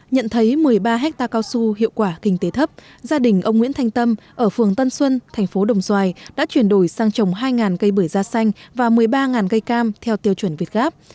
nhận thấy một mươi ba hectare cao su hiệu quả kinh tế thấp gia đình ông nguyễn thanh tâm ở phường tân xuân thành phố đồng xoài đã chuyển đổi sang trồng hai cây bưởi da xanh và một mươi ba cây cam theo tiêu chuẩn việt gáp